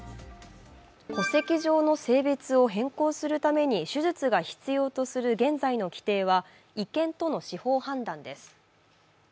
戸籍上の性別を変更するために、手術が必要とされる現在の規定は違憲との司法判断です。